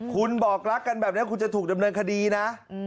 คุณบอกรักกันแบบนี้คุณจะถูกดำเนินคดีนะ